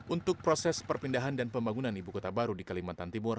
untuk proses perpindahan dan pembangunan ibu kota baru di kalimantan timur